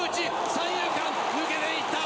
三遊間抜けていった。